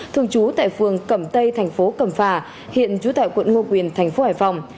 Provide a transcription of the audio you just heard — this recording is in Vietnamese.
thường trú tại phường cẩm tây thành phố cẩm phà hiện trú tại quận ngô quyền thành phố hải phòng